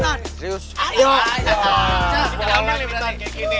gak boleh berarti kayak gini